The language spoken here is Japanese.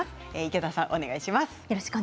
池田さん、お願いします。